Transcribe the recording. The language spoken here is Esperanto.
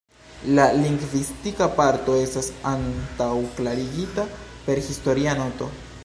La lingvistika parto estas antaŭklarigita per historia noto.